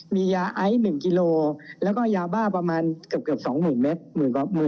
มียาไอซ์๑กิโลแล้วก็ยาบ้าประมาณเกือบ๒๐๐๐เมตร